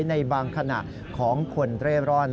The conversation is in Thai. ในบางขณะของคนเร่ร่อน